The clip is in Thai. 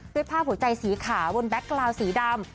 ด้วยภาพหัวใจสีขาวบนแก๊กกลาวสีดำ